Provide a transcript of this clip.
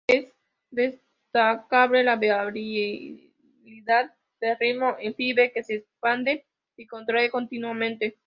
Es destacable la variabilidad del ritmo en "Five" que se expande y contrae continuamente.